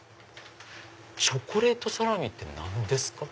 チョコレートサラミって何ですか？